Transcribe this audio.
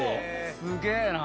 すげえな。